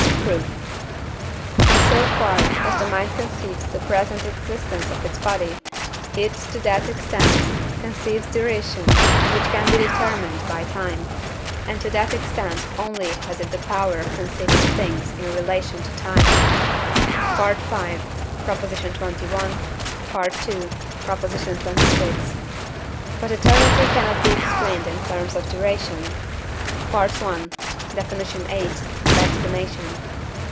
Proof. In so far as the mind conceives the present existence of its body, it to that extent conceives duration which can be determined by time, and to that extent only has it the power of conceiving things in relation to time (V. xxi. II. xxvi.). But eternity cannot be explained in terms of duration (I. Def. viii. and explanation).